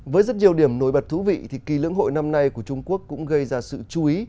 với rất nhiều điểm nổi bật thú vị thì kỳ lưỡng hội năm nay của trung quốc cũng gây ra sự chú ý